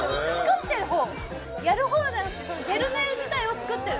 やる方じゃなくてジェルネイル自体を作ってる？